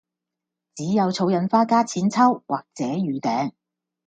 只有儲印花加錢抽或者預訂